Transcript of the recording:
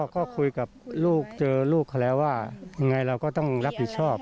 ก็คุยกับลูกเจอลูกเขาแล้วว่ายังไงเราก็ต้องรับผิดชอบ